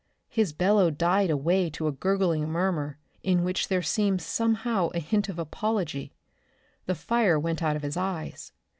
His bellow died away to a gurgling murmur in which there seemed somehow a hint of apology. The fire went out of his eyes.